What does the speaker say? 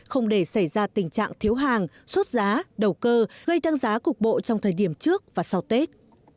không để xảy ra tình trạng thiếu hàng sốt giá đầu cơ gây tăng giá cục bộ trong thời điểm trước và sau tết